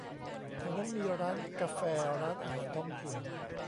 แถวนั้นมีร้านกาแฟ ร้านอาหารท้องถิ่น